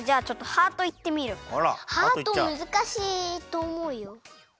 ハートむずかしいとおもうよ。